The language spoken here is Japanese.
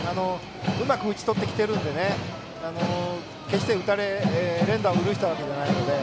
うまく打ち取ってきているので決して連打を許していないので。